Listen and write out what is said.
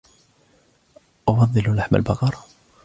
أفضل لحم البقر.